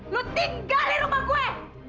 lu tinggal di rumah gue